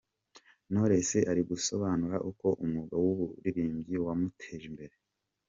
Knowless ari gusobanura uko umwuga w’uburirimbyi wamuteje imbere.